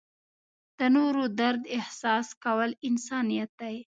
د نورو درد احساس کول انسانیت دی.